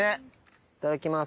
いただきます。